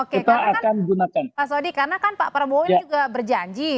karena kan pak sodi karena kan pak prabowo ini juga berjanji